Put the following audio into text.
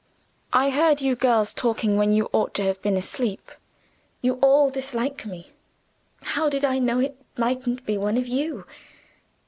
I heard you girls talking when you ought to have been asleep. You all dislike me. How did I know it mightn't be one of you?